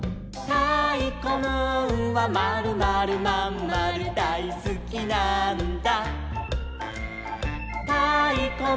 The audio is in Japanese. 「たいこムーンはまるまるまんまるさがしにきたのさ」